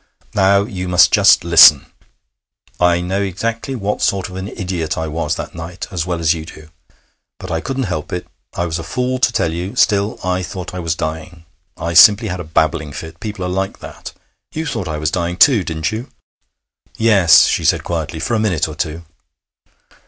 Now you must just listen. I know exactly what sort of an idiot I was that night as well as you do. But I couldn't help it. I was a fool to tell you. Still, I thought I was dying. I simply had a babbling fit. People are like that. You thought I was dying, too, didn't you?' 'Yes,' she said quietly, 'for a minute or two.'